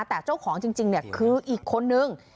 แต่เจ้าของจริงคืออีกคนนึง